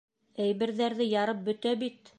Әйберҙәрҙе ярып бөтә бит.